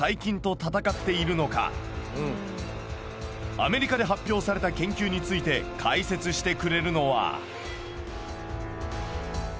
アメリカで発表された研究について解説してくれるのは。